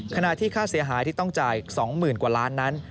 ค่าที่ค่าเสียหายที่ต้องจ่าย๒๐๐๐กว่าล้านนั้น